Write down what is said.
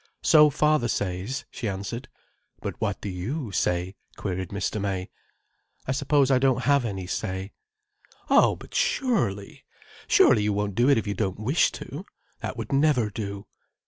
"So father says," she answered. "But what do you say?" queried Mr. May. "I suppose I don't have any say." "Oh but surely. Surely you won't do it if you don't wish to. That would never do.